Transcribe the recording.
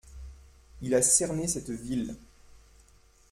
Il a cerné cette ville.